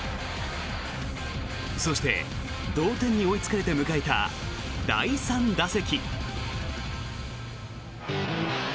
そして、同点に追いつかれて迎えた第３打席。